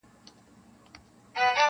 په لامبو کي یې ځان نه وو آزمېیلی -